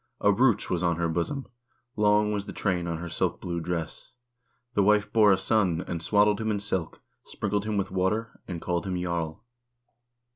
A brooch was on her bosom ; long was the train on her silk blue dress. The wife bore a son, and swaddled him in silk, sprinkled him with water,2 and called him jarl.